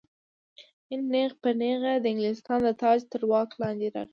هند نیغ په نیغه د انګلستان د تاج تر واک لاندې راغی.